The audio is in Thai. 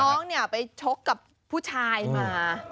น้องเนี่ยไปชกกับผู้ชายมา